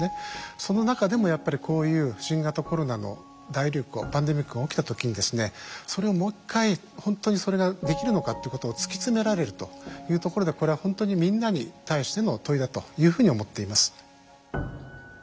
その中でもやっぱりこういう新型コロナの大流行パンデミックが起きた時にですねそれをもう一回本当にそれができるのかっていうことを突き詰められるというところでこれは本当にみんなに対しての問いだというふうに思っています。